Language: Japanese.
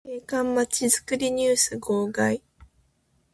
景観まちづくりニュース号外